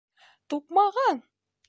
Туҡмаған!